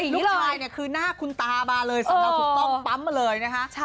ลูกชายคือหน้าคุณตามาเลยสำหรับคุณต้องปั้มเลยนะคะ